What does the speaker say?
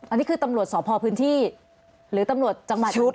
อันนี้คือตำรวจสพพื้นที่หรือตำรวจจังหวัดชุด